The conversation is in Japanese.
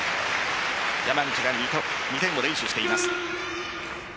山口が２点を連取しています。